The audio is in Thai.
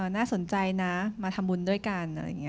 น่าสนใจนะมาทำบุญด้วยกัน